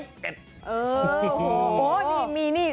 โอ้โหมีนี่